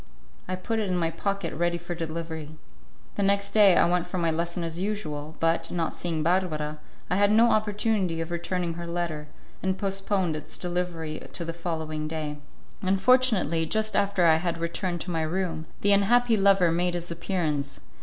I put it in my pocket ready for delivery. The next day I went for my lesson as usual, but, not seeing Barbara, I had no opportunity of returning her letter, and postponed its delivery to the following day. Unfortunately, just after I had returned to my room, the unhappy lover made his appearance.